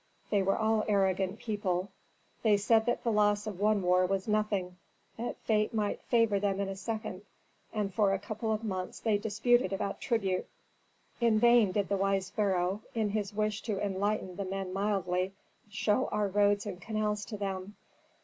They were all arrogant people. They said that the loss of one war was nothing, that fate might favor them in a second; and for a couple of months they disputed about tribute. "In vain did the wise pharaoh, in his wish to enlighten the men mildly, show our roads and canals to them.